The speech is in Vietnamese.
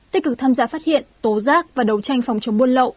tích cực tham gia phát hiện tố giác và đấu tranh phòng chống buôn lậu